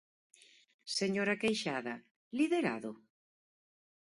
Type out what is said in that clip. Señora Queixada, ¿liderado?